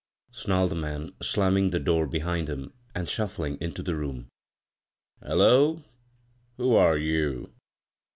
snarled the man, slamming the door behind him, and shufBing into the room. "Hullol Who are you?"